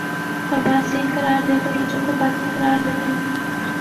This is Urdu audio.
اور بعض تین قرار دے کررجوع کو باطل قرار دیتے ہیں